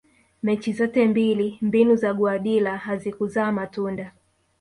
mechi zote mbili mbinu za guardiola hazikuzaa matunda